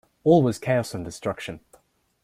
All was chaos and destruction.